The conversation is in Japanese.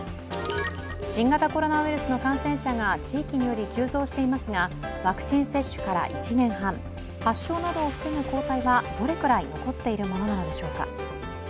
新型コロナウイルスの感染者が地域により急増していますが、ワクチン接種から１年半、発症などを防ぐ抗体はどのくらい残っているものなのでしょうか。